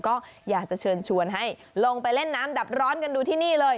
ก็อยากจะเชิญชวนให้ลงไปเล่นน้ำดับร้อนกันดูที่นี่เลย